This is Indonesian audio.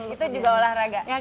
itu juga olahraga